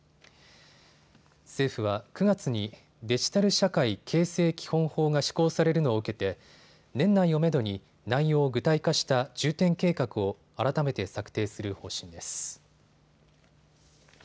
政府は９月にデジタル社会形成基本法が施行されるのを受けて年内をめどに内容を具体化した重点計画を改めて策定する方針です。